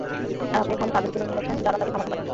আর আপনি এখন তাদেরই তুলে নিয়ে গেছেন যারা তাকে থামাতে পারে।